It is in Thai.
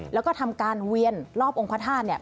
แล้วก็ทำการเวียนรอบองค์พระธาตุเนี่ย